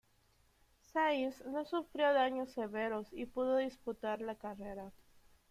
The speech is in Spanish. Sainz no sufrió daños severos y pudo disputar la carrera.